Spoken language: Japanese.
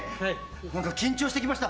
何か緊張してきました。